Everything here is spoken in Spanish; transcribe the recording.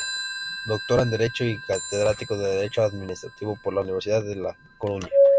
Doctor en Derecho y catedrático de Derecho Administrativo por la Universidad de La Coruña.